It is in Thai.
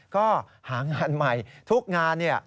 ก็หางานใหม่ทุกงานเนี่ย